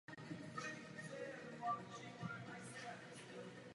Počátky jeho díla jsou spojovány s obdobím Zlatého věku science fiction.